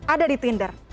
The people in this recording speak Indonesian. ada di tinder